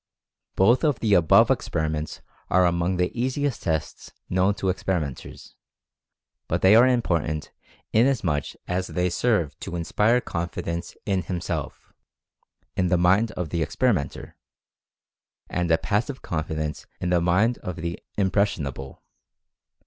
Both of the above experiments are among the easiest tests known to experimenters, but they are important inasmuch as they serve to inspire confidence in him self, in the mind of the experimenter, and a passive confidence in the mind of the "impressionable."